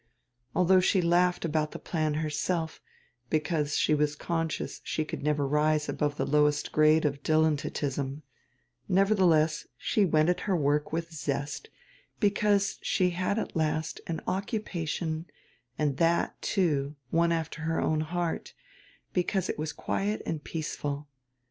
Although she laughed about the plan herself, because she was conscious she could never rise above the lowest grade of dilettantism, nevertheless she went at her work with zest, because she at last had an occupation and that, too, one alter her own heart, because it was quiet and peaceful.